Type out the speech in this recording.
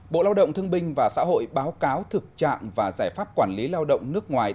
bộ lao động thương binh và xã hội báo cáo thực trạng và giải pháp quản lý lao động nước ngoài